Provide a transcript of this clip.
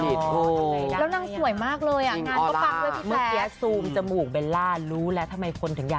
เอาเป็นว่าให้ไปเดาเอาเองนะ